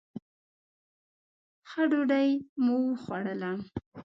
ښه ډوډۍ مو وخوړله.